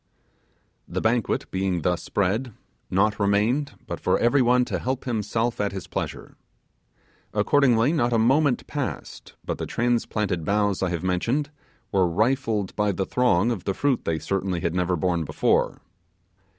The banquet being thus spread, naught remained but for everyone to help himself at his pleasure. Accordingly not a moment passed but the transplanted boughs I have mentioned were rifled by the throng of the fruit they certainly had never borne before.